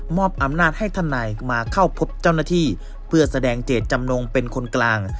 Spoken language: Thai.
อำนาจให้ท่านนายมาเข้าพบเจ้าหน้าที่เพื่อแสดงเจตจำนงเป็นคนกลาง